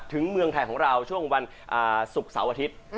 เมืองไทยของเราช่วงวันศุกร์เสาร์อาทิตย์